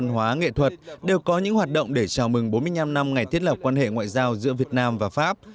văn hóa nghệ thuật đều có những hoạt động để chào mừng bốn mươi năm năm ngày thiết lập quan hệ ngoại giao giữa việt nam và pháp